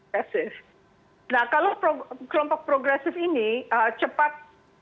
nah kalau kelompok progresif ini cepat